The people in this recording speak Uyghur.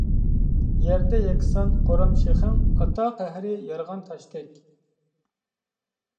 يەردە يەكسان قورام شېخىڭ، ئاتا قەھرى يارغان تاشتەك.